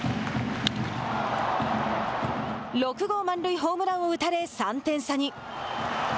６号満塁ホームランを打たれ３点差に。